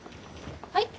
はい？